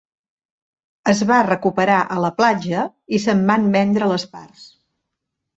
Es va recuperar a la platja i se'n van vendre les parts.